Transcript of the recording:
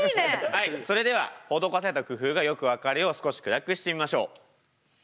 はいそれでは施された工夫がよく分かるよう少し暗くしてみましょう。